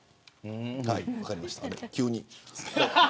はい、分かりました、急に。